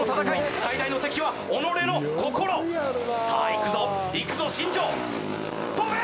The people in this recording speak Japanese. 最大の敵は己の心さあいくぞいくぞ新庄跳べ！